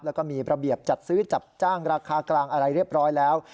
แล้วก็มีระเบียบจัดซื้อจัดจ้างราคากลางอะไรเรียบร้อยแล้ว